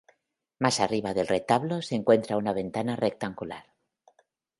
Más arriba del retablo se encuentra una ventana rectangular.